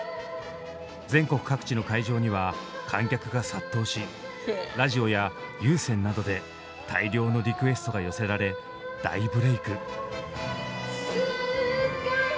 全国各地の会場には観客が殺到しラジオや有線などで大量のリクエストが寄せられ大ブレーク。